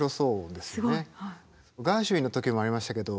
ガーシュウィンの時もありましたけど